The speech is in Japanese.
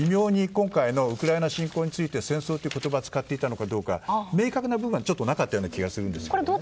今回のウクライナ侵攻に対して戦争という言葉を使っていたかどうか明確な部分はなかったような気がするんですよ。